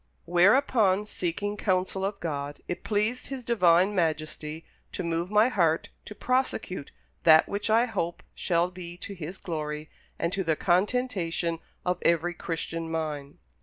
"Whereupon, seeking counsel of God, it pleased His Divine Majesty to move my heart to prosecute that which I hope shall be to His glory and to the contentation of every Christian mind."